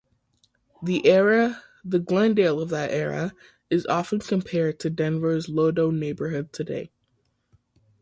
The Glendale of that era is often compared to Denver's LoDo neighborhood today.